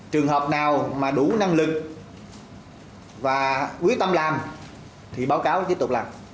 trường hợp nào mà đủ năng lực và quyết tâm làm thì báo cáo tiếp tục làm